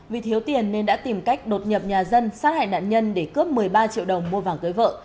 vì thiếu tiền nên đã tìm cách đột nhập nhà dân sát hại nạn nhân để cướp một mươi ba triệu đồng mua vàng cưới vợ